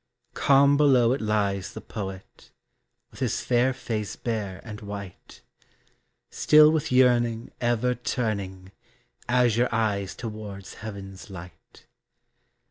Calm below it lies the poet With his fair face bare and white, Still with yearning ever turning Azure eyes towards heaven's light.